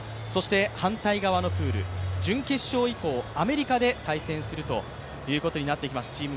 反対側のプール、準決勝以降、アメリカで対戦することになってきます